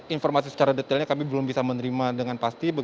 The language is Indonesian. informasi secara detailnya kami belum bisa menerima dengan pasti